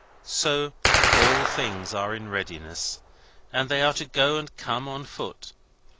So, all things are in readiness, and they are to go and come on foot.